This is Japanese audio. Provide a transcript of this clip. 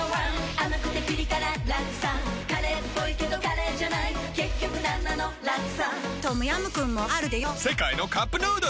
甘くてピリ辛ラクサカレーっぽいけどカレーじゃない結局なんなのラクサトムヤムクンもあるでヨ世界のカップヌードル